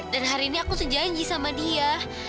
dan hari ini aku sejanji sama dia